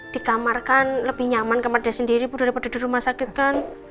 di kamar kan lebih nyaman kamar dia sendiri bu daripada di rumah sakit kan